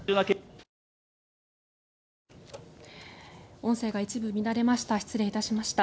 音声が一部乱れました。